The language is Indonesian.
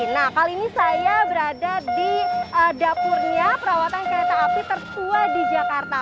nah kali ini saya berada di dapurnya perawatan kereta api tertua di jakarta